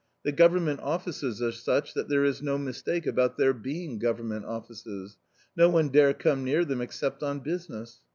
The Government offices are such that there is no mistake about their being Government offices; no one dare come near them except on business.